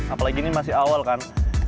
apalagi ini masih awal kan